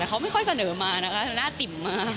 แต่เขาไม่ค่อยเสนอมานะคะหน้าติ่มมา